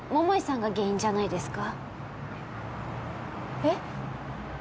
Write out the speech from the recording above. えっ？